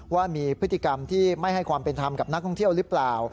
ว่ามีพฤติกรรมที่ไม่ให้ความเป็นธรรมกับนักท่องเที่ยวหรือเปล่า